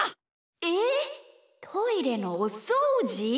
えっトイレのおそうじ！？